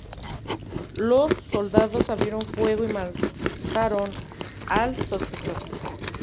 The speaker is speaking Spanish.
Los soldados abrieron fuego y mataron al sospechoso.